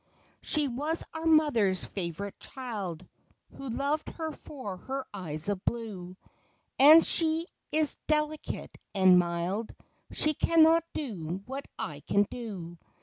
She was our mother's favorite child, Who loved her for her eyes of blue ; And she is delicate and mild — She cannot do what I can do.